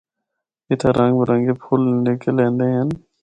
اِتھا رنگ برنگے پُھل نکل ایندے ہن۔